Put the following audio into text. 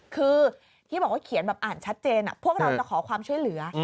คือที่บอกว่าเขียนแบบอ่านชัดเจนพวกเราจะขอความช่วยเหลือ